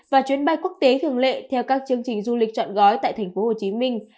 và chuyến bay quốc tế thường lệ theo các chương trình du lịch chọn gói tại thành phố hồ chí minh